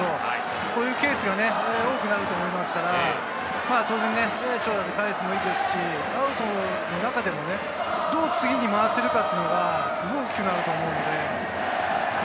こういうケースが多くなると思いますから、アウトの中でもどう次に回せるかということがすごく大きくなると思うので。